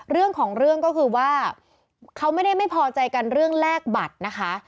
เรื่องของเรื่องก็คือว่าเขาไม่ได้ไม่พอใจกันเรื่องแลกบัตรนะคะ